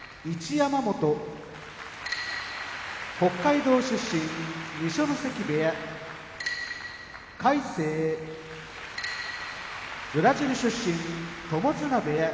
山本北海道出身二所ノ関部屋魁聖ブラジル出身友綱部屋